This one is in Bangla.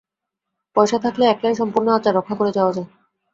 পয়সা থাকলে একলাই সম্পূর্ণ আচার রক্ষা করে যাওয়া যায়।